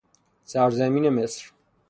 سرزمین مصر